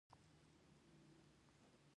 هغه به د هنر تاریخ لوستونکی شوی وای